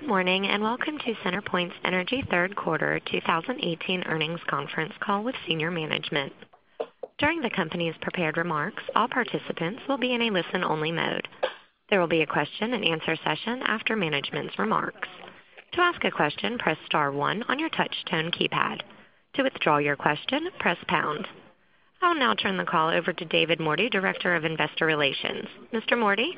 Good morning. Welcome to CenterPoint Energy third quarter 2018 earnings conference call with senior management. During the company's prepared remarks, all participants will be in a listen-only mode. There will be a question and answer session after management's remarks. To ask a question, press star one on your touch-tone keypad. To withdraw your question, press pound. I'll now turn the call over to David Mordy, Director of Investor Relations. Mr. Mordy?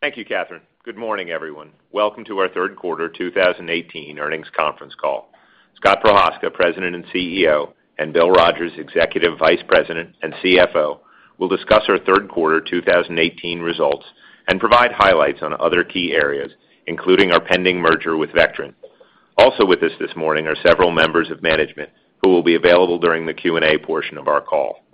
Thank you, Catherine. Good morning, everyone. Welcome to our third quarter 2018 earnings conference call. Scott Prochazka, President and CEO, and Bill Rogers, Executive Vice President and CFO, will discuss our third quarter 2018 results and provide highlights on other key areas, including our pending merger with Vectren. Also with us this morning are several members of management who will be available during the Q&A portion of our call.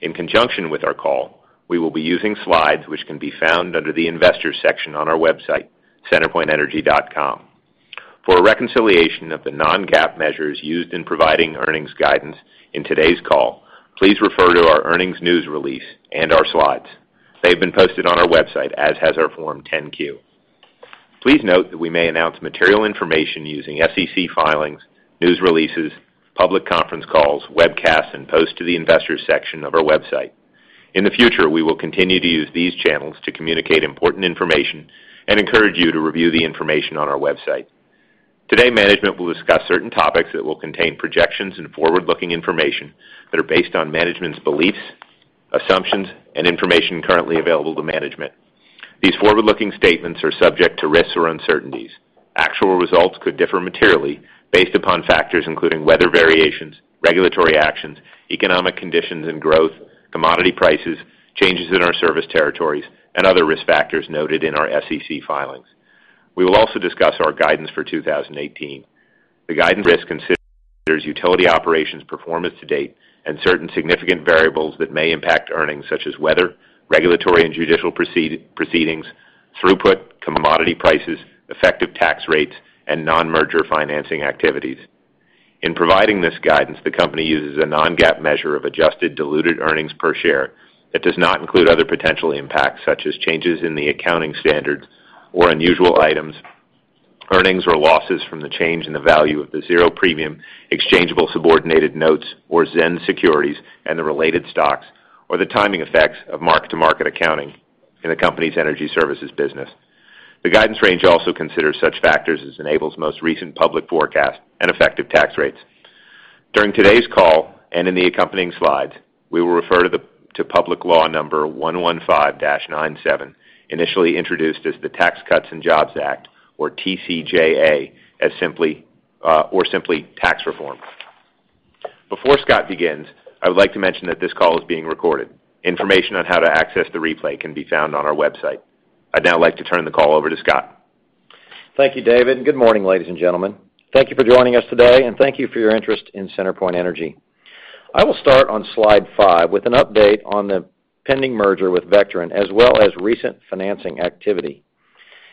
In conjunction with our call, we will be using slides which can be found under the Investors section on our website, centerpointenergy.com. For a reconciliation of the non-GAAP measures used in providing earnings guidance in today's call, please refer to our earnings news release and our slides. They've been posted on our website, as has our Form 10-Q. Please note that we may announce material information using SEC filings, news releases, public conference calls, webcasts, and posts to the Investors section of our website. In the future, we will continue to use these channels to communicate important information and encourage you to review the information on our website. Today, management will discuss certain topics that will contain projections and forward-looking information that are based on management's beliefs, assumptions, and information currently available to management. These forward-looking statements are subject to risks or uncertainties. Actual results could differ materially based upon factors including weather variations, regulatory actions, economic conditions and growth, commodity prices, changes in our service territories, and other risk factors noted in our SEC filings. We will also discuss our guidance for 2018. The guidance risks consider utility operations performance to date and certain significant variables that may impact earnings, such as weather, regulatory and judicial proceedings, throughput, commodity prices, effective tax rates, and non-merger financing activities. In providing this guidance, the company uses a non-GAAP measure of adjusted diluted earnings per share that does not include other potential impacts such as changes in the accounting standard or unusual items, earnings or losses from the change in the value of the zero premium exchangeable subordinated notes or ZENS securities and the related stocks, or the timing effects of mark-to-market accounting in the company's Energy Services business. The guidance range also considers such factors as Enable's most recent public forecast and effective tax rates. During today's call and in the accompanying slides, we will refer to Public Law number 115-97, initially introduced as the Tax Cuts and Jobs Act, or TCJA, or simply tax reform. Before Scott begins, I would like to mention that this call is being recorded. Information on how to access the replay can be found on our website. I'd now like to turn the call over to Scott. Thank you, David. Good morning, ladies and gentlemen. Thank you for joining us today, thank you for your interest in CenterPoint Energy. I will start on slide five with an update on the pending merger with Vectren, as well as recent financing activity.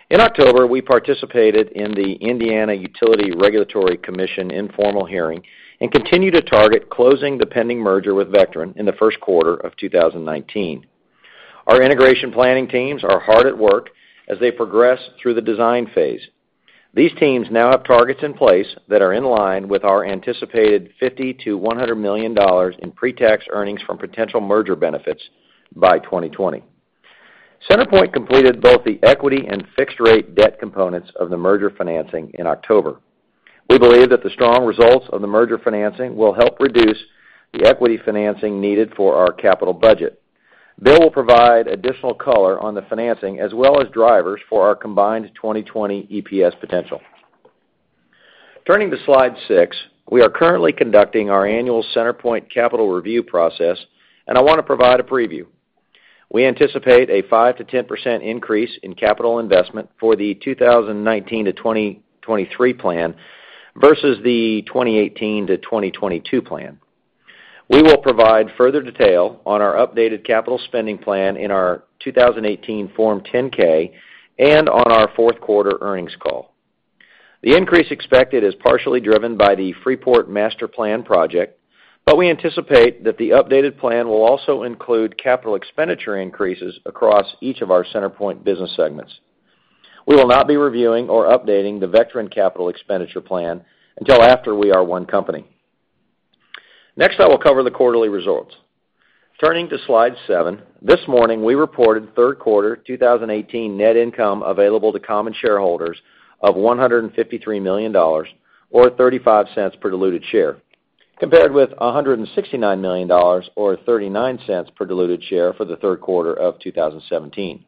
In October, we participated in the Indiana Utility Regulatory Commission informal hearing and continue to target closing the pending merger with Vectren in the first quarter of 2019. Our integration planning teams are hard at work as they progress through the design phase. These teams now have targets in place that are in line with our anticipated $50 million-$100 million in pre-tax earnings from potential merger benefits by 2020. CenterPoint completed both the equity and fixed-rate debt components of the merger financing in October. We believe that the strong results of the merger financing will help reduce the equity financing needed for our capital budget. Bill will provide additional color on the financing as well as drivers for our combined 2020 EPS potential. Turning to slide six, we are currently conducting our annual CenterPoint capital review process. I want to provide a preview. We anticipate a 5%-10% increase in capital investment for the 2019-2023 plan versus the 2018-2022 plan. We will provide further detail on our updated capital spending plan in our 2018 Form 10-K and on our fourth quarter earnings call. The increase expected is partially driven by the Freeport Master Plan project. We anticipate that the updated plan will also include capital expenditure increases across each of our CenterPoint business segments. We will not be reviewing or updating the Vectren capital expenditure plan until after we are one company. Next, I will cover the quarterly results. Turning to slide seven, this morning we reported third quarter 2018 net income available to common shareholders of $153 million, or $0.35 per diluted share, compared with $169 million, or $0.39 per diluted share, for the third quarter of 2017.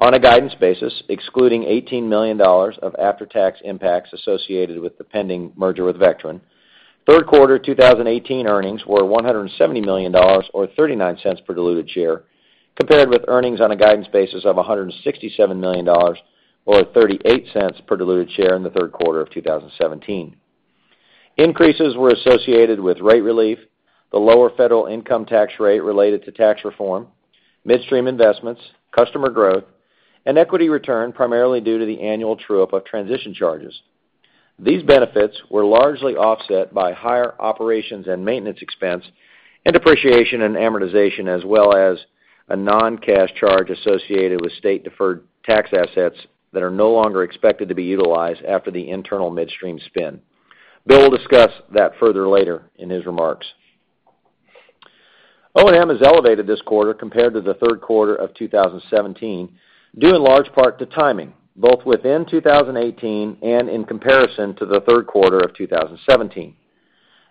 On a guidance basis, excluding $18 million of after-tax impacts associated with the pending merger with Vectren, third quarter 2018 earnings were $170 million or $0.39 per diluted share, compared with earnings on a guidance basis of $167 million or $0.38 per diluted share in the third quarter of 2017. Increases were associated with rate relief, the lower federal income tax rate related to tax reform, midstream investments, customer growth, and equity return primarily due to the annual true-up of transition charges. These benefits were largely offset by higher operations and maintenance expense and depreciation and amortization, as well as a non-cash charge associated with state-deferred tax assets that are no longer expected to be utilized after the internal midstream spin. Bill will discuss that further later in his remarks. O&M is elevated this quarter compared to the third quarter of 2017, due in large part to timing, both within 2018 and in comparison to the third quarter of 2017.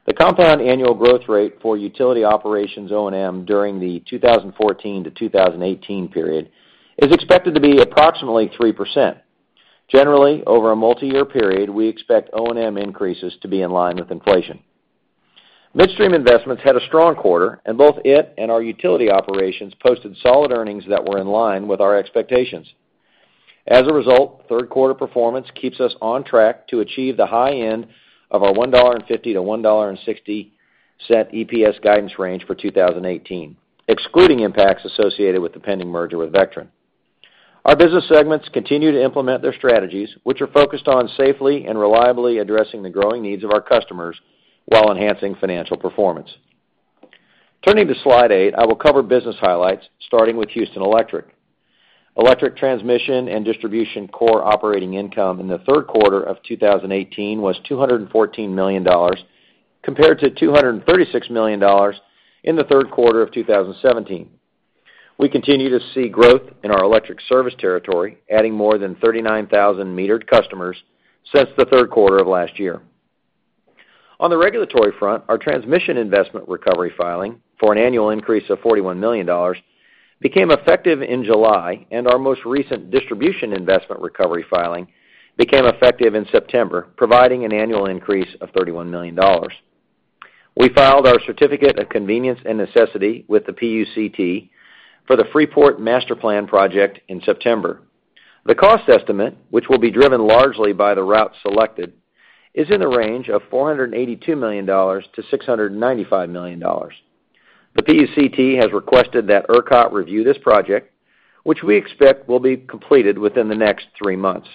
The compound annual growth rate for utility operations O&M during the 2014 to 2018 period is expected to be approximately 3%. Generally, over a multi-year period, we expect O&M increases to be in line with inflation. Midstream investments had a strong quarter, and both it and our utility operations posted solid earnings that were in line with our expectations. As a result, third quarter performance keeps us on track to achieve the high end of our $1.50-$1.60 EPS guidance range for 2018, excluding impacts associated with the pending merger with Vectren. Our business segments continue to implement their strategies, which are focused on safely and reliably addressing the growing needs of our customers while enhancing financial performance. Turning to slide eight, I will cover business highlights, starting with Houston Electric. Electric transmission and distribution core operating income in the third quarter of 2018 was $214 million, compared to $236 million in the third quarter of 2017. We continue to see growth in our electric service territory, adding more than 39,000 metered customers since the third quarter of last year. On the regulatory front, our transmission investment recovery filing for an annual increase of $41 million became effective in July, and our most recent distribution investment recovery filing became effective in September, providing an annual increase of $31 million. We filed our certificate of convenience and necessity with the PUCT for the Freeport Master Plan project in September. The cost estimate, which will be driven largely by the route selected, is in the range of $482 million-$695 million. The PUCT has requested that ERCOT review this project, which we expect will be completed within the next three months.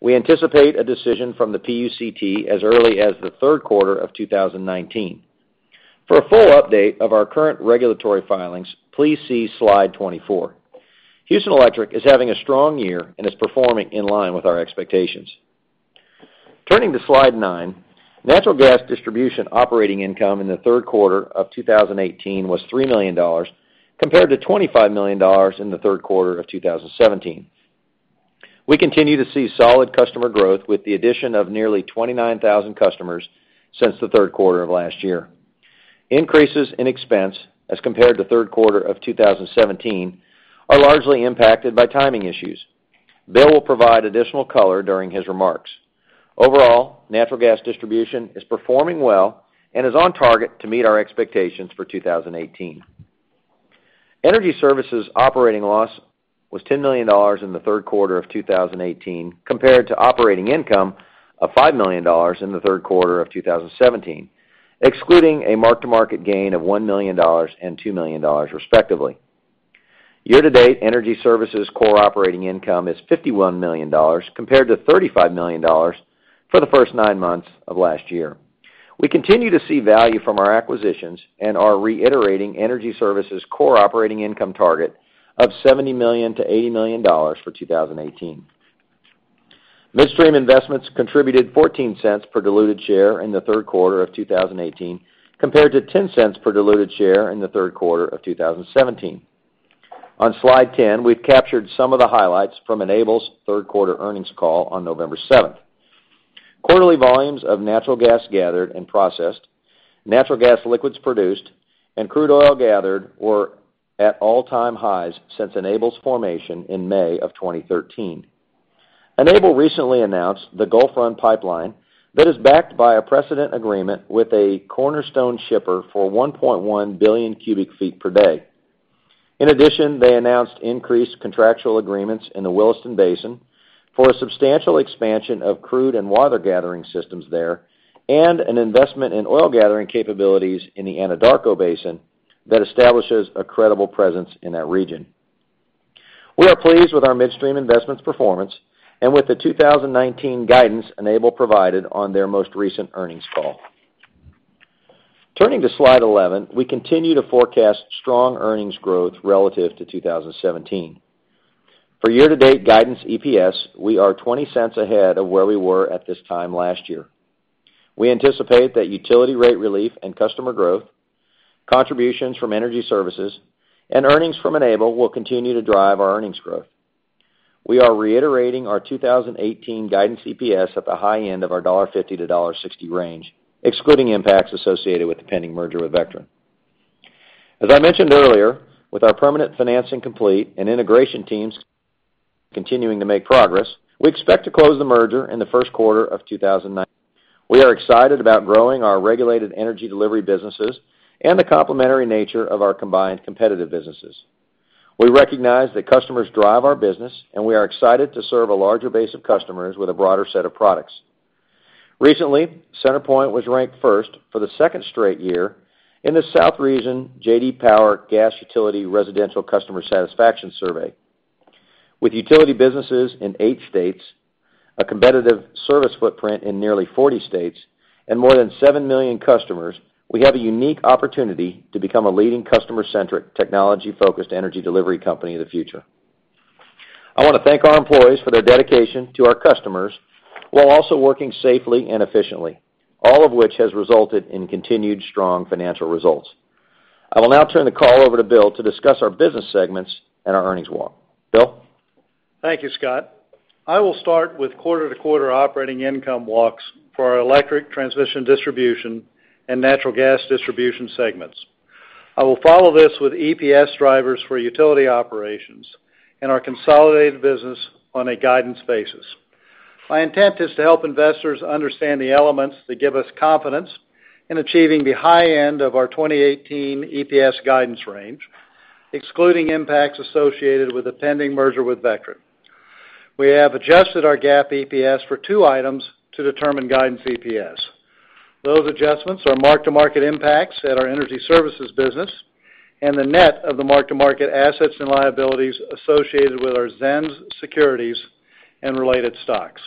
We anticipate a decision from the PUCT as early as the third quarter of 2019. For a full update of our current regulatory filings, please see slide 24. Houston Electric is having a strong year and is performing in line with our expectations. Turning to slide nine, natural gas distribution operating income in the third quarter of 2018 was $3 million, compared to $25 million in the third quarter of 2017. We continue to see solid customer growth with the addition of nearly 29,000 customers since the third quarter of last year. Increases in expense as compared to third quarter of 2017 are largely impacted by timing issues. Bill will provide additional color during his remarks. Overall, natural gas distribution is performing well and is on target to meet our expectations for 2018. Energy Services operating loss was $10 million in the third quarter of 2018, compared to operating income of $5 million in the third quarter of 2017, excluding a mark-to-market gain of $1 million and $2 million, respectively. Year-to-date, Energy Services core operating income is $51 million, compared to $35 million for the first nine months of last year. We continue to see value from our acquisitions and are reiterating Energy Services' core operating income target of $70 million to $80 million for 2018. Midstream investments contributed $0.14 per diluted share in the third quarter of 2018, compared to $0.10 per diluted share in the third quarter of 2017. On slide 10, we've captured some of the highlights from Enable's third quarter earnings call on November 7th. Quarterly volumes of natural gas gathered and processed, natural gas liquids produced, and crude oil gathered were at all-time highs since Enable's formation in May of 2013. Enable recently announced the Gulf Run Pipeline that is backed by a precedent agreement with a cornerstone shipper for 1.1 billion cubic feet per day. They announced increased contractual agreements in the Williston Basin for a substantial expansion of crude and water gathering systems there, and an investment in oil gathering capabilities in the Anadarko Basin that establishes a credible presence in that region. We are pleased with our midstream investments performance and with the 2019 guidance Enable provided on their most recent earnings call. Turning to slide 11, we continue to forecast strong earnings growth relative to 2017. For year-to-date guidance EPS, we are $0.20 ahead of where we were at this time last year. We anticipate that utility rate relief and customer growth, contributions from Energy Services, and earnings from Enable will continue to drive our earnings growth. We are reiterating our 2018 guidance EPS at the high end of our $1.50 to $1.60 range, excluding impacts associated with the pending merger with Vectren. As I mentioned earlier, with our permanent financing complete and integration teams continuing to make progress, we expect to close the merger in the first quarter of 2019. We are excited about growing our regulated energy delivery businesses and the complementary nature of our combined competitive businesses. We recognize that customers drive our business, and we are excited to serve a larger base of customers with a broader set of products. Recently, CenterPoint was ranked first for the second straight year in the South Region J.D. Power Gas Utility Residential Customer Satisfaction Survey. With utility businesses in eight states, a competitive service footprint in nearly 40 states, and more than seven million customers, we have a unique opportunity to become a leading customer-centric technology-focused energy delivery company of the future. I want to thank our employees for their dedication to our customers while also working safely and efficiently, all of which has resulted in continued strong financial results. I will now turn the call over to Bill to discuss our business segments and our earnings walk. Bill? Thank you, Scott. I will start with quarter-to-quarter operating income walks for our electric transmission distribution and natural gas distribution segments. I will follow this with EPS drivers for utility operations and our consolidated business on a guidance basis. My intent is to help investors understand the elements that give us confidence in achieving the high end of our 2018 EPS guidance range, excluding impacts associated with the pending merger with Vectren. We have adjusted our GAAP EPS for two items to determine guidance EPS. Those adjustments are mark-to-market impacts at our Energy Services business and the net of the mark-to-market assets and liabilities associated with our ZENS securities and related stocks.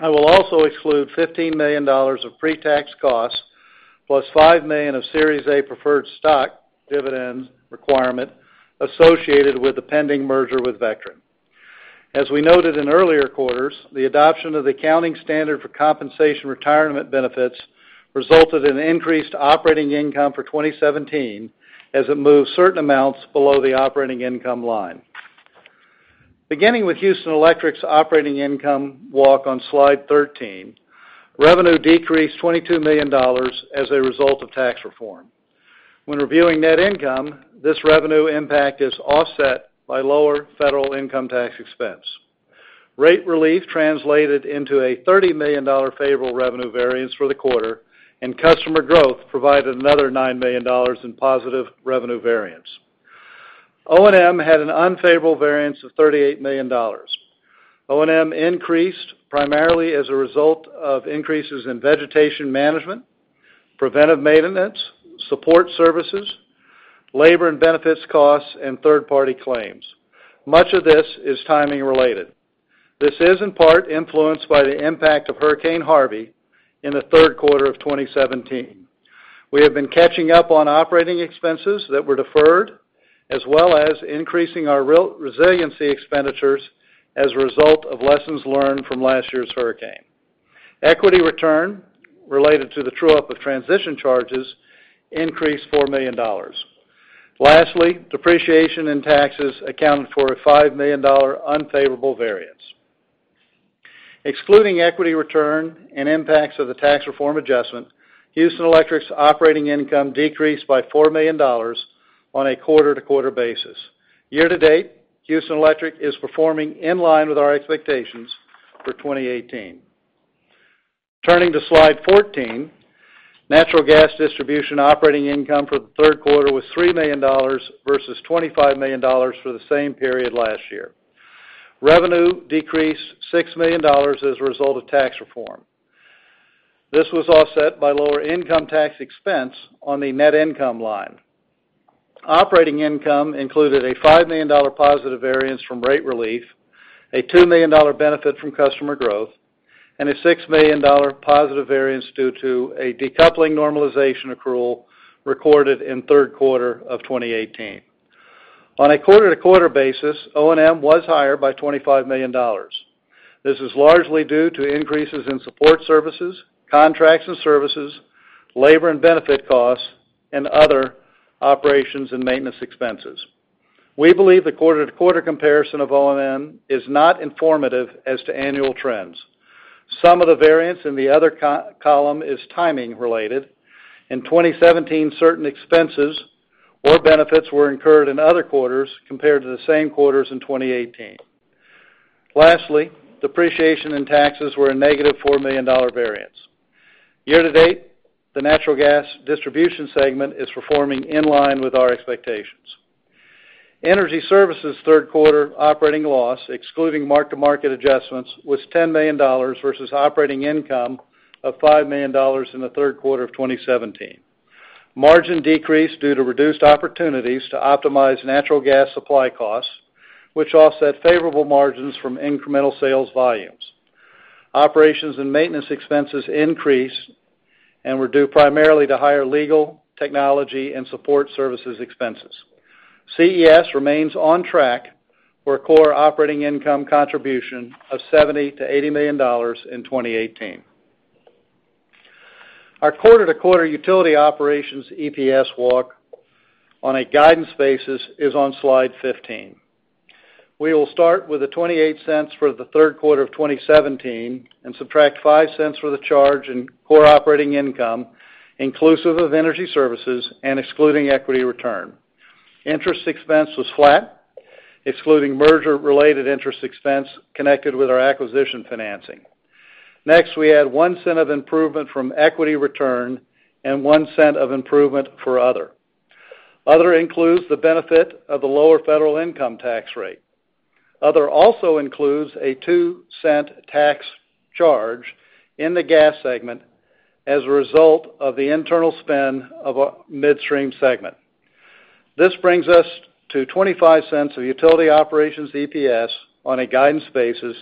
I will also exclude $15 million of pre-tax costs plus $5 million of Series A preferred stock dividend requirement associated with the pending merger with Vectren. As we noted in earlier quarters, the adoption of the accounting standard for compensation retirement benefits resulted in increased operating income for 2017 as it moved certain amounts below the operating income line. Beginning with Houston Electric's operating income walk on slide 13, revenue decreased $22 million as a result of tax reform. When reviewing net income, this revenue impact is offset by lower federal income tax expense. Rate relief translated into a $30 million favorable revenue variance for the quarter, and customer growth provided another $9 million in positive revenue variance. O&M had an unfavorable variance of $38 million. O&M increased primarily as a result of increases in vegetation management, preventive maintenance, support services, labor and benefits costs, and third-party claims. Much of this is timing related. This is in part influenced by the impact of Hurricane Harvey in the third quarter of 2017. We have been catching up on operating expenses that were deferred, as well as increasing our resiliency expenditures as a result of lessons learned from last year's hurricane. Equity return related to the true-up of transition charges increased $4 million. Lastly, depreciation and taxes accounted for a $5 million unfavorable variance. Excluding equity return and impacts of the tax reform adjustment, Houston Electric's operating income decreased by $4 million on a quarter-to-quarter basis. Year-to-date, Houston Electric is performing in line with our expectations for 2018. Turning to slide 14, natural gas distribution operating income for the third quarter was $3 million versus $25 million for the same period last year. Revenue decreased $6 million as a result of tax reform. This was offset by lower income tax expense on the net income line. Operating income included a $5 million positive variance from rate relief, a $2 million benefit from customer growth, and a $6 million positive variance due to a decoupling normalization accrual recorded in third quarter of 2018. On a quarter-to-quarter basis, O&M was higher by $25 million. This is largely due to increases in support services, contracts and services, labor and benefit costs, and other operations and maintenance expenses. We believe the quarter-to-quarter comparison of O&M is not informative as to annual trends. Some of the variance in the other column is timing related. In 2017, certain expenses or benefits were incurred in other quarters compared to the same quarters in 2018. Lastly, depreciation and taxes were a negative $4 million variance. Year-to-date, the natural gas distribution segment is performing in line with our expectations. Energy Services' third-quarter operating loss, excluding mark-to-market adjustments, was $10 million versus operating income of $5 million in the third quarter of 2017. Margin decreased due to reduced opportunities to optimize natural gas supply costs, which offset favorable margins from incremental sales volumes. Operations and maintenance expenses increased and were due primarily to higher legal, technology, and support services expenses. CES remains on track for a core operating income contribution of $70 million to $80 million in 2018. Our quarter-to-quarter utility operations EPS walk on a guidance basis is on slide 15. We will start with the $0.28 for the third quarter of 2017 and subtract $0.05 for the charge in core operating income, inclusive of Energy Services and excluding equity return. Interest expense was flat, excluding merger-related interest expense connected with our acquisition financing. Next, we add $0.01 of improvement from equity return and $0.01 of improvement for other. Other includes the benefit of the lower federal income tax rate. Other also includes a $0.02 tax charge in the gas segment as a result of the internal spin of our Midstream segment. This brings us to $0.25 of utility operations EPS on a guidance basis,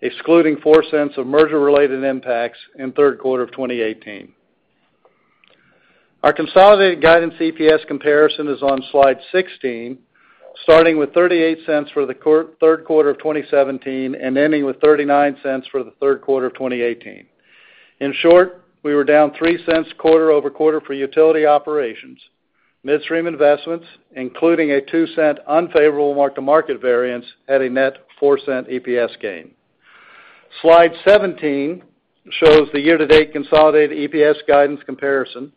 excluding $0.04 of merger-related impacts in third quarter of 2018. Our consolidated guidance EPS comparison is on slide 16, starting with $0.38 for the third quarter of 2017 and ending with $0.39 for the third quarter of 2018. In short, we were down $0.03 quarter-over-quarter for utility operations. Midstream investments, including a $0.02 unfavorable mark-to-market variance at a net $0.04 EPS gain. Slide 17 shows the year-to-date consolidated EPS guidance comparison,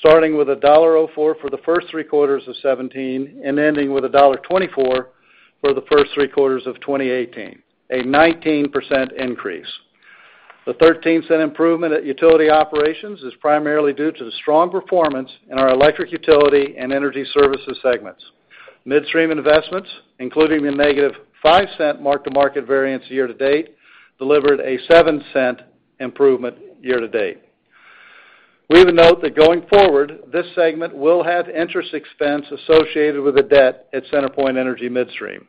starting with $1.04 for the first three quarters of 2017 and ending with $1.24 for the first three quarters of 2018, a 19% increase. The $0.13 improvement at utility operations is primarily due to the strong performance in our electric utility and Energy Services segments. Midstream investments, including the negative $0.05 mark-to-market variance year to date, delivered a $0.07 improvement year to date. We would note that going forward, this segment will have interest expense associated with the debt at CenterPoint Energy Midstream.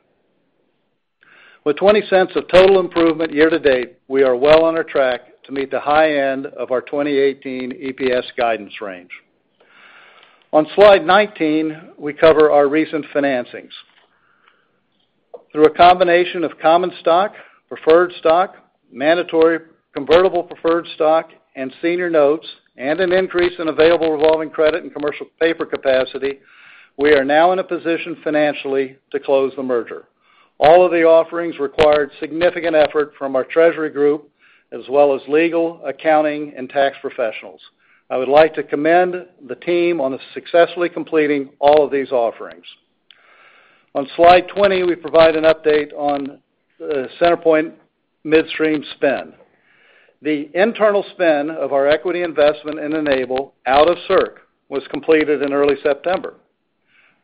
With $0.20 of total improvement year to date, we are well on our track to meet the high end of our 2018 EPS guidance range. On slide 19, we cover our recent financings. Through a combination of common stock, preferred stock, mandatory convertible preferred stock, and senior notes, an increase in available revolving credit and commercial paper capacity, we are now in a position financially to close the merger. All of the offerings required significant effort from our treasury group as well as legal, accounting, and tax professionals. I would like to commend the team on successfully completing all of these offerings. On slide 20, we provide an update on CenterPoint Midstream's spin. The internal spin of our equity investment in Enable out of CERC was completed in early September.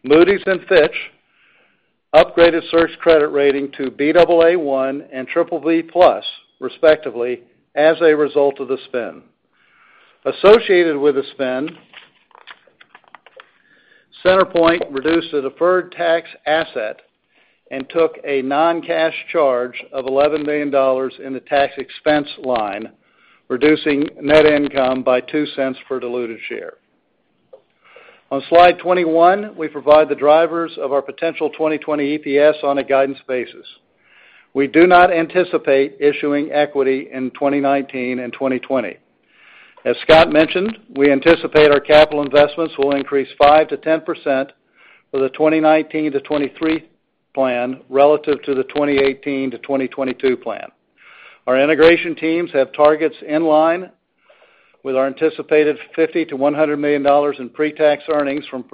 Moody's and Fitch upgraded CERC's credit rating to Baa1 and BBB+, respectively, as a result of the spin. Associated with the spin, CenterPoint reduced a deferred tax asset and took a non-cash charge of $11 million in the tax expense line, reducing net income by $0.02 per diluted share. On slide 21, we provide the drivers of our potential 2020 EPS on a guidance basis. We do not anticipate issuing equity in 2019 and 2020. As Scott mentioned, we anticipate our capital investments will increase 5%-10% for the 2019 to 2023 plan relative to the 2018 to 2022 plan. Our integration teams have targets in line with our anticipated $50 million-$100 million in pre-tax earnings from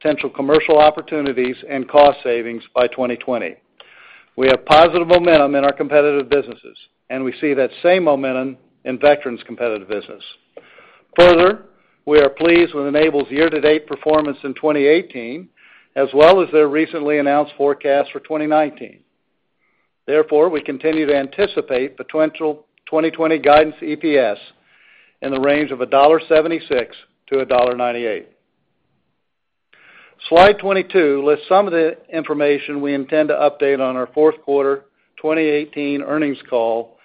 potential commercial opportunities and cost savings by 2020. We have positive momentum in our competitive businesses, and we see that same momentum in Vectren's competitive business. Further, we are pleased with Enable's year-to-date performance in 2018, as well as their recently announced forecast for 2019. We continue to anticipate potential 2020 guidance EPS in the range of $1.76-$1.98. Slide 22 lists some of the information we intend to update on our fourth quarter 2018 earnings call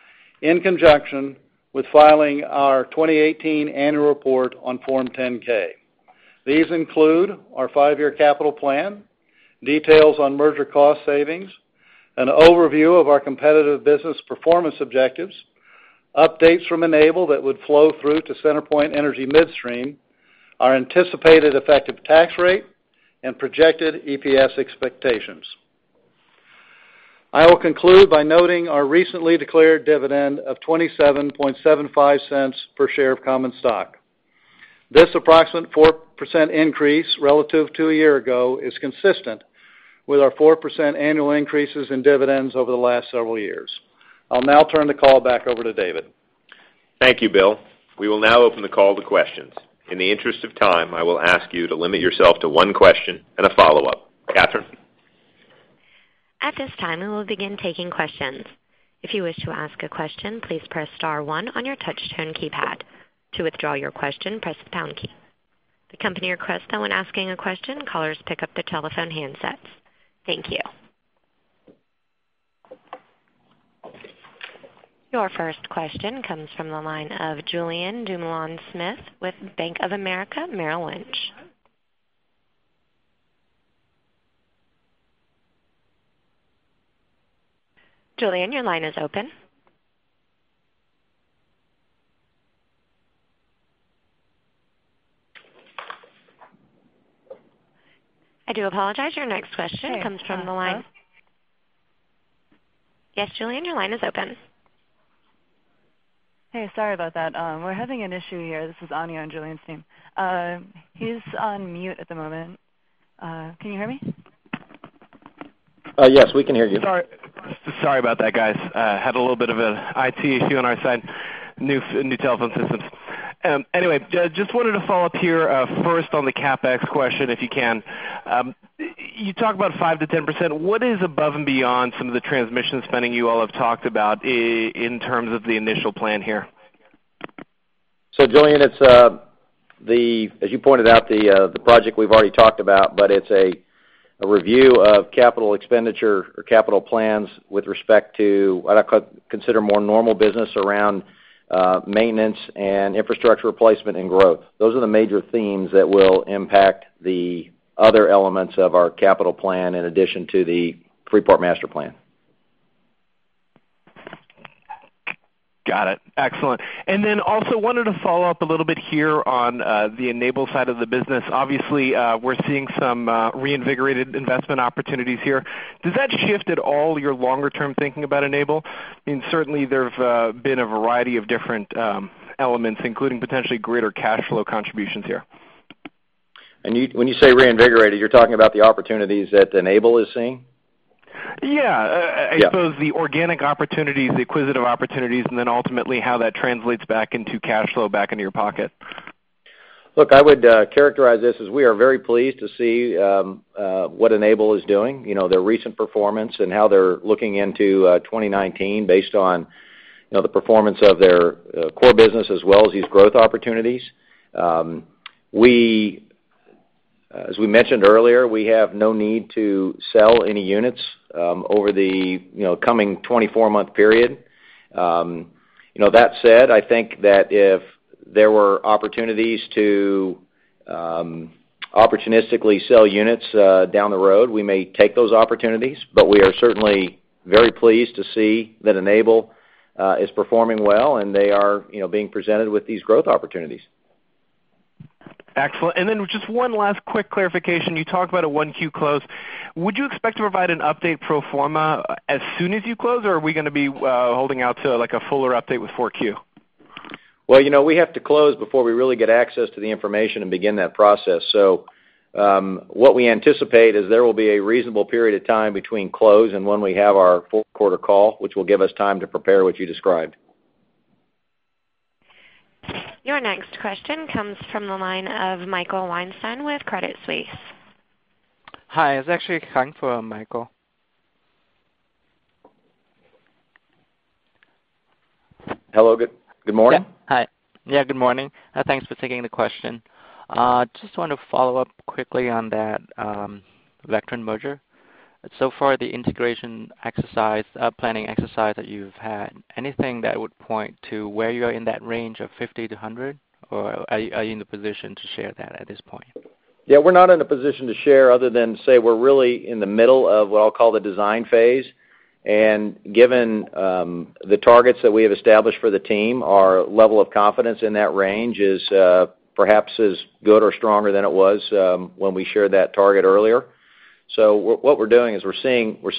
in conjunction with filing our 2018 annual report on Form 10-K. These include our five-year capital plan, details on merger cost savings, an overview of our competitive business performance objectives, updates from Enable that would flow through to CenterPoint Energy Midstream, our anticipated effective tax rate, and projected EPS expectations. I will conclude by noting our recently declared dividend of $0.2775 per share of common stock. This approximate 4% increase relative to a year ago is consistent with our 4% annual increases in dividends over the last several years. I'll now turn the call back over to David. Thank you, Bill. We will now open the call to questions. In the interest of time, I will ask you to limit yourself to one question and a follow-up. Catherine? At this time, we will begin taking questions. If you wish to ask a question, please press star one on your touch tone keypad. To withdraw your question, press the pound key. The company requests that when asking a question, callers pick up their telephone handsets. Thank you. Your first question comes from the line of Julien Dumoulin-Smith with Bank of America Merrill Lynch. Julien, your line is open. I do apologize. Your next question comes from the line. Yes, Julien, your line is open. Hey, sorry about that. We're having an issue here. This is Anya on Julien's team. He's on mute at the moment. Can you hear me? Yes, we can hear you. Sorry. Sorry about that, guys. Had a little bit of an IT issue on our side, new telephone systems. Just wanted to follow up here first on the CapEx question, if you can. You talk about 5% to 10%. What is above and beyond some of the transmission spending you all have talked about in terms of the initial plan here? Julien, as you pointed out, the project we've already talked about, but it's a review of capital expenditure or capital plans with respect to what I consider more normal business around maintenance and infrastructure replacement and growth. Those are the major themes that will impact the other elements of our capital plan in addition to the Freeport Master Plan. Got it. Excellent. Also wanted to follow up a little bit here on the Enable side of the business. Obviously, we're seeing some reinvigorated investment opportunities here. Does that shift at all your longer term thinking about Enable? I mean, certainly there have been a variety of different elements, including potentially greater cash flow contributions here. When you say reinvigorated, you're talking about the opportunities that Enable is seeing? Yeah. Yeah. I suppose the organic opportunities, the acquisitive opportunities, and then ultimately how that translates back into cash flow back into your pocket. Look, I would characterize this as we are very pleased to see what Enable is doing. Their recent performance and how they're looking into 2019 based on the performance of their core business as well as these growth opportunities. As we mentioned earlier, we have no need to sell any units over the coming 24-month period. That said, I think that if there were opportunities to opportunistically sell units down the road, we may take those opportunities. We are certainly very pleased to see that Enable is performing well, and they are being presented with these growth opportunities. Excellent. Just one last quick clarification. You talked about a 1Q close. Would you expect to provide an update pro forma as soon as you close, or are we going to be holding out to a fuller update with 4Q? Well, we have to close before we really get access to the information and begin that process. What we anticipate is there will be a reasonable period of time between close and when we have our fourth quarter call, which will give us time to prepare what you described. Your next question comes from the line of Michael Weinstein with Credit Suisse. Hi. It's actually Hang for Michael. Hello. Good morning. Hi. Good morning. Thanks for taking the question. Just wanted to follow up quickly on that Vectren merger. So far, the integration planning exercise that you've had, anything that would point to where you are in that range of 50 to 100, or are you in the position to share that at this point? We're not in a position to share other than say we're really in the middle of what I'll call the design phase. Given the targets that we have established for the team, our level of confidence in that range is perhaps as good or stronger than it was when we shared that target earlier. What we're doing is we're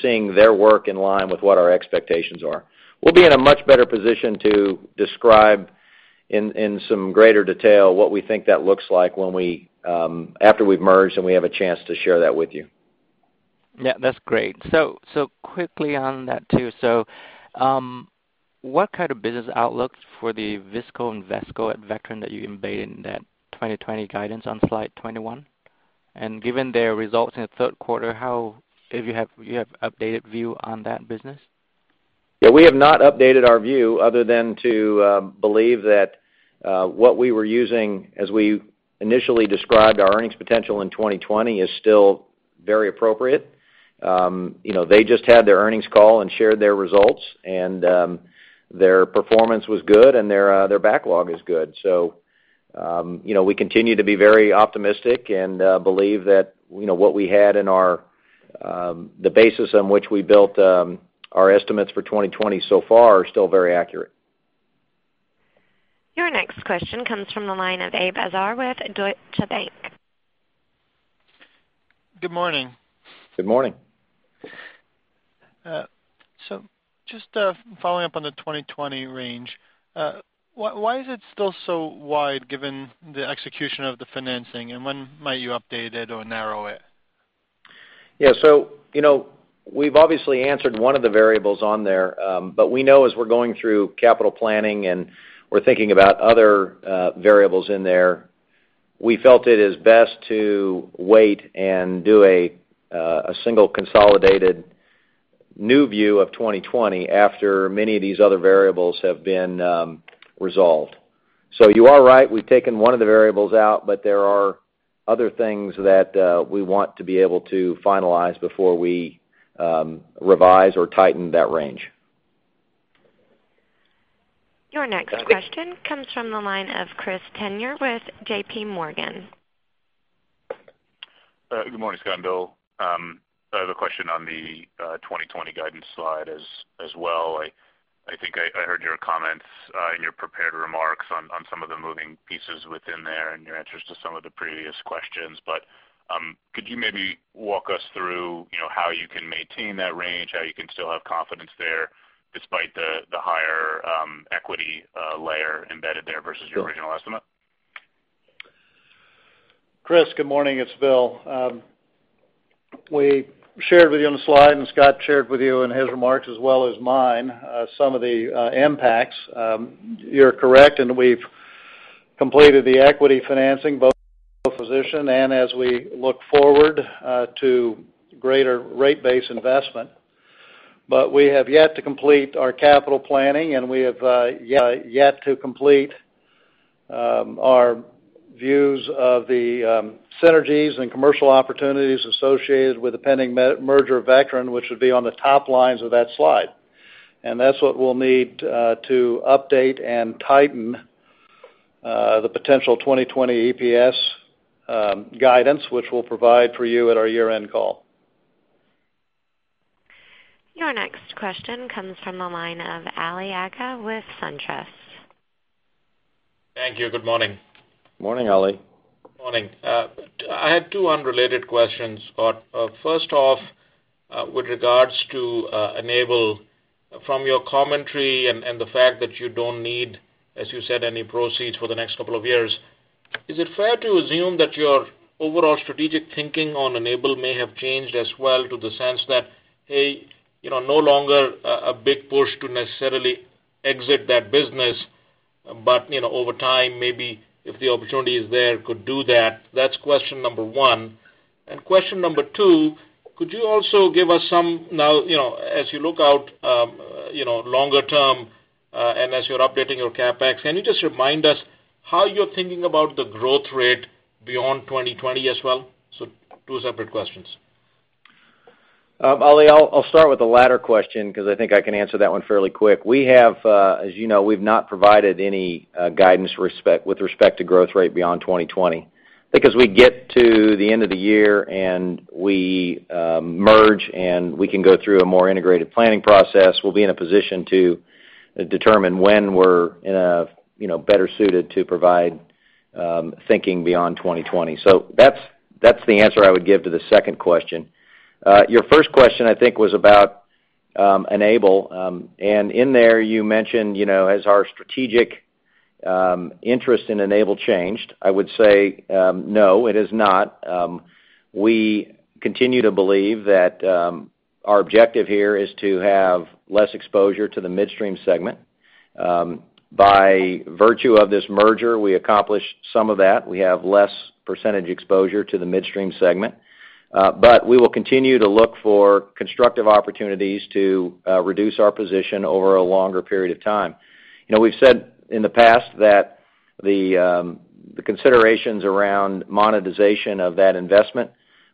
seeing their work in line with what our expectations are. We'll be in a much better position to describe in some greater detail what we think that looks like after we've merged and we have a chance to share that with you. That's great. Quickly on that too. What kind of business outlook for the VISCO and VESCO at Vectren that you embed in that 2020 guidance on slide 21? Given their results in the third quarter, if you have updated view on that business? Yeah, we have not updated our view other than to believe that what we were using as we initially described our earnings potential in 2020 is still very appropriate. They just had their earnings call and shared their results, and their performance was good, and their backlog is good. We continue to be very optimistic and believe that what we had in the basis on which we built our estimates for 2020 so far are still very accurate. Your next question comes from the line of Abe Azar with Deutsche Bank. Good morning. Good morning. just following up on the 2020 range. Why is it still so wide given the execution of the financing, and when might you update it or narrow it? we've obviously answered one of the variables on there. We know as we're going through capital planning and we're thinking about other variables in there, we felt it is best to wait and do a single consolidated new view of 2020 after many of these other variables have been resolved. You are right, we've taken one of the variables out, there are other things that we want to be able to finalize before we revise or tighten that range. Your next question comes from the line of Chris Turnure with JPMorgan. Good morning, Scott and Bill. I have a question on the 2020 guidance slide as well. I think I heard your comments in your prepared remarks on some of the moving pieces within there and your answers to some of the previous questions. Could you maybe walk us through how you can maintain that range, how you can still have confidence there despite the higher equity layer embedded there versus your original estimate? Chris, good morning. It's Bill. We shared with you on the slide. Scott shared with you in his remarks as well as mine some of the impacts. You're correct. We've completed the equity financing, both position and as we look forward to greater rate base investment. We have yet to complete our capital planning, and we have yet to complete our views of the synergies and commercial opportunities associated with the pending merger of Vectren, which would be on the top lines of that slide. That's what we'll need to update and tighten the potential 2020 EPS guidance, which we'll provide for you at our year-end call. Your next question comes from the line of Ali Agha with SunTrust. Thank you. Good morning. Morning, Ali. Morning. I have two unrelated questions. First off, with regards to Enable. From your commentary and the fact that you don't need, as you said, any proceeds for the next couple of years, is it fair to assume that your overall strategic thinking on Enable may have changed as well to the sense that no longer a big push to necessarily exit that business, but over time, maybe if the opportunity is there, could do that? That's question number 1. Question number 2, could you also give us some now, as you look out longer term, and as you're updating your CapEx, can you just remind us how you're thinking about the growth rate beyond 2020 as well? Two separate questions. Ali, I'll start with the latter question, because I think I can answer that one fairly quick. As you know, we've not provided any guidance with respect to growth rate beyond 2020. I think as we get to the end of the year, and we merge, and we can go through a more integrated planning process, we'll be in a position to determine when we're better suited to provide thinking beyond 2020. That's the answer I would give to the second question. Your first question, I think, was about Enable. In there you mentioned, has our strategic interest in Enable changed? I would say no, it has not. We continue to believe that our objective here is to have less exposure to the midstream segment. By virtue of this merger, we accomplished some of that. We have less percentage exposure to the midstream segment. We will continue to look for constructive opportunities to reduce our position over a longer period of time. We've said in the past that the considerations around monetization of that investment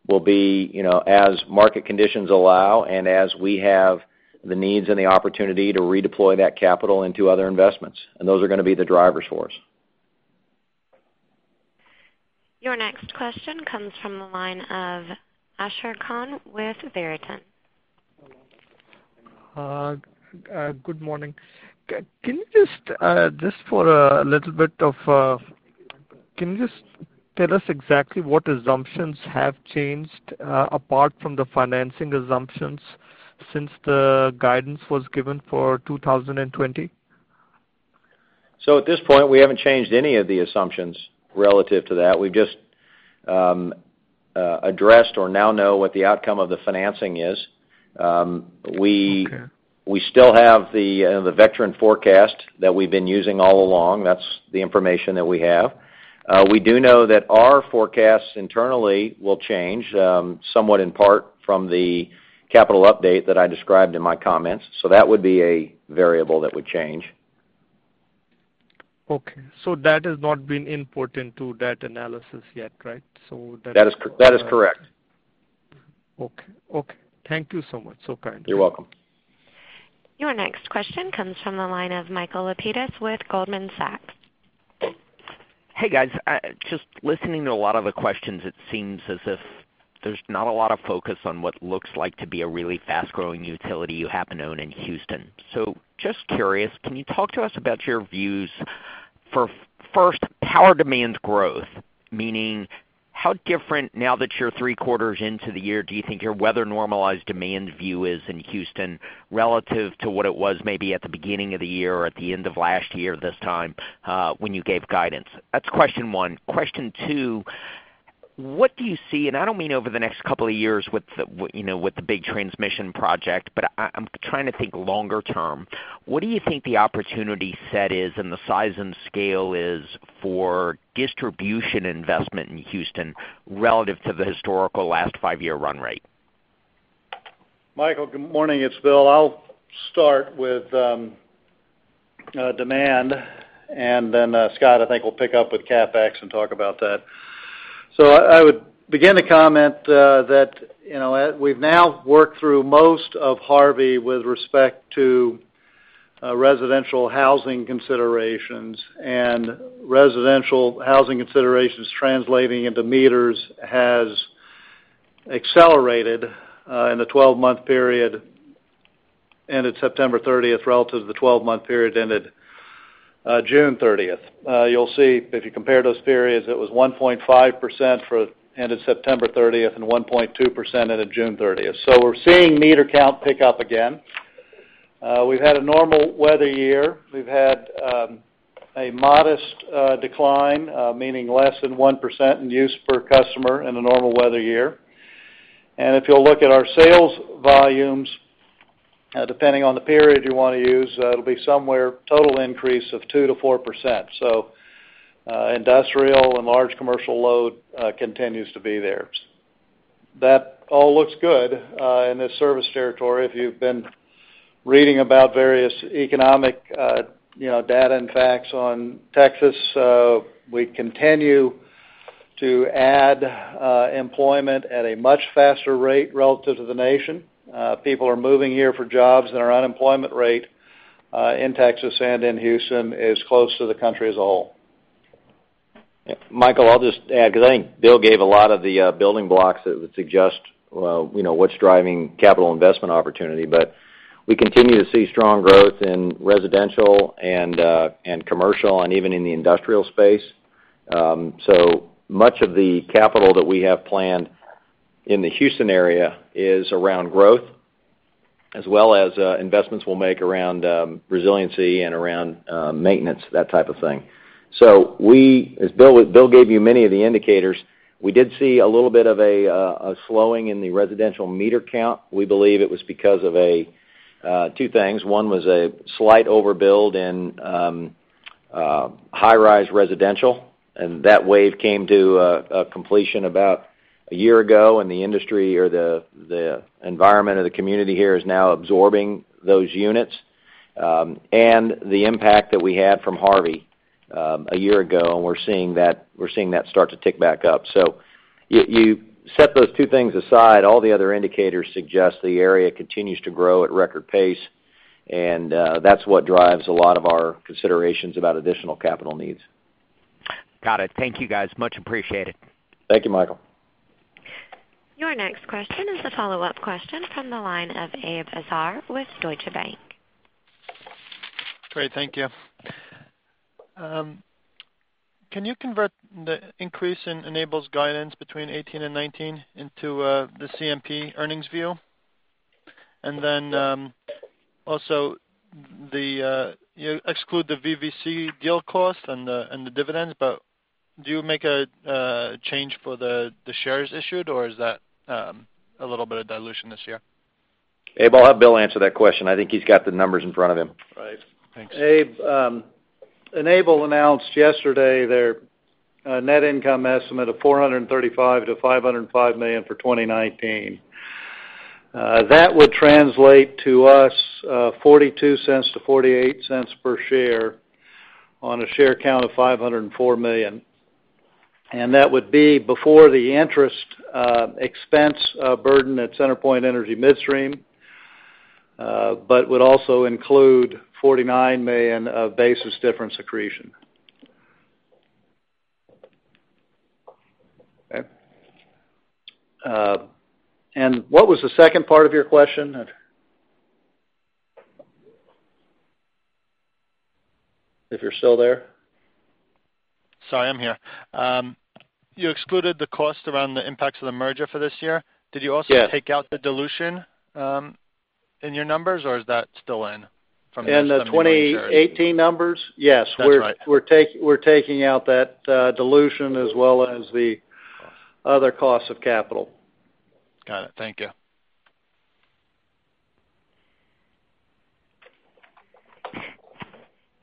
will be as market conditions allow and as we have the needs and the opportunity to redeploy that capital into other investments, those are going to be the drivers for us. Your next question comes from the line of Shar Pourreza with Verition. Good morning. Can you just tell us exactly what assumptions have changed apart from the financing assumptions since the guidance was given for 2020? At this point, we haven't changed any of the assumptions relative to that. We've just addressed or now know what the outcome of the financing is. Okay. We still have the Vectren forecast that we've been using all along. That's the information that we have. We do know that our forecasts internally will change somewhat in part from the capital update that I described in my comments. That would be a variable that would change. Okay. That has not been input into that analysis yet, right? That is correct. Okay. Thank you so much. Kind. You're welcome. Your next question comes from the line of Michael Lapides with Goldman Sachs. Hey, guys. Just listening to a lot of the questions, it seems as if there's not a lot of focus on what looks like to be a really fast-growing utility you happen to own in Houston. Just curious, can you talk to us about your views for, first, power demand growth? Meaning, how different now that you're three quarters into the year, do you think your weather-normalized demand view is in Houston relative to what it was maybe at the beginning of the year or at the end of last year this time when you gave guidance? That's question one. Question two, what do you see, and I don't mean over the next couple of years with the big transmission project, but I'm trying to think longer term. What do you think the opportunity set is and the size and scale is for distribution investment in Houston relative to the historical last five-year run rate? Michael, good morning. It's Bill. I'll start with demand, and then Scott, I think, will pick up with CapEx and talk about that. I would begin to comment that we've now worked through most of Harvey with respect to residential housing considerations. Residential housing considerations translating into meters has accelerated in the 12-month period ended September 30th relative to the 12-month period ended June 30th. You'll see if you compare those periods, it was 1.5% for ended September 30th and 1.2% ended June 30th. We're seeing meter count pick up again. We've had a normal weather year. We've had a modest decline, meaning less than 1% in use per customer in a normal weather year. If you'll look at our sales volumes, depending on the period you want to use, it'll be somewhere total increase of 2%-4%. Industrial and large commercial load continues to be there. That all looks good in this service territory. If you've been reading about various economic data and facts on Texas, we continue to add employment at a much faster rate relative to the nation. People are moving here for jobs, and our unemployment rate in Texas and in Houston is close to the country as a whole. Michael, I'll just add, because I think Bill gave a lot of the building blocks that would suggest what's driving capital investment opportunity. We continue to see strong growth in residential and commercial, and even in the industrial space. Much of the capital that we have planned in the Houston area is around growth, as well as investments we'll make around resiliency and around maintenance, that type of thing. Bill gave you many of the indicators. We did see a little bit of a slowing in the residential meter count. We believe it was because of two things. One was a slight overbuild in high-rise residential, and that wave came to a completion about a year ago, and the industry or the environment or the community here is now absorbing those units. The impact that we had from Harvey a year ago, and we're seeing that start to tick back up. You set those two things aside, all the other indicators suggest the area continues to grow at record pace, and that's what drives a lot of our considerations about additional capital needs. Got it. Thank you guys, much appreciated. Thank you, Michael. Your next question is a follow-up question from the line of Abe Azar with Deutsche Bank. Great. Thank you. Can you convert the increase in Enable's guidance between 2018 and 2019 into the CNP earnings view? Also, you exclude the VVC deal cost and the dividends, do you make a change for the shares issued, or is that a little bit of dilution this year? Abe, I'll have Bill answer that question. I think he's got the numbers in front of him. Right. Thanks. Abe, Enable announced yesterday their net income estimate of $435 million-$505 million for 2019. That would translate to $0.42-$0.48 per share on a share count of 504 million. That would be before the interest expense burden at CenterPoint Energy Midstream, but would also include $49 million of basis difference accretion. Okay. What was the second part of your question? If you're still there? Sorry, I'm here. You excluded the cost around the impacts of the merger for this year. Yes. Did you also take out the dilution in your numbers, or is that still in? In the 2018 numbers? Yes. That's right. We're taking out that dilution as well as the other costs of capital. Got it. Thank you.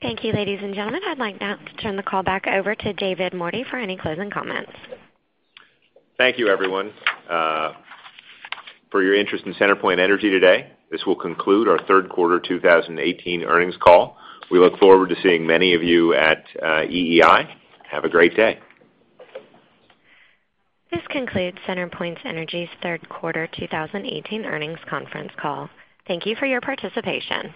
Thank you, ladies and gentlemen. I'd like now to turn the call back over to David Mordy for any closing comments. Thank you, everyone, for your interest in CenterPoint Energy today. This will conclude our third quarter 2018 earnings call. We look forward to seeing many of you at EEI. Have a great day. This concludes CenterPoint Energy's third quarter 2018 earnings conference call. Thank you for your participation.